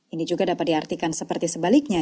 ini juga dapat diartikan seperti sebaliknya